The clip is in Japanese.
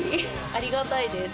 ありがたいです。